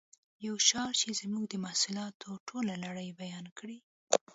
یو شعار چې زموږ د محصولاتو ټوله لړۍ بیان کړي